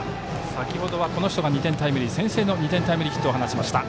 先ほどはこの人が先制の２点タイムリーヒットを放ちました。